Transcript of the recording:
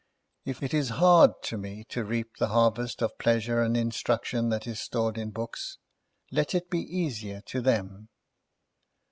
If it is hard to me to reap the harvest of pleasure and instruction that is stored in books, let it be easier to them."